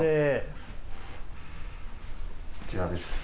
こちらです。